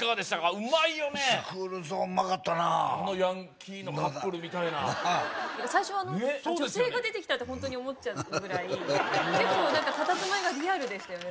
うまいよねあのヤンキーのカップルみたいな最初女性が出てきたってホントに思っちゃうぐらい結構たたずまいがリアルでしたよね